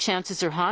はい。